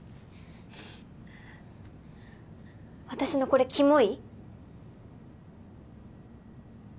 私のこれキモい？